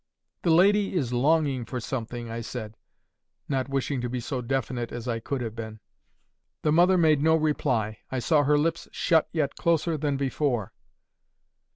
"'The lady is longing for something,' I said, not wishing to be so definite as I could have been. "The mother made no reply. I saw her lips shut yet closer than before.